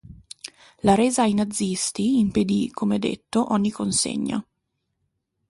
La resa ai nazisti impedì, come detto, ogni consegna.